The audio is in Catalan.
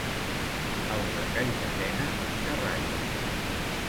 Els de Calldetenes, xerraires.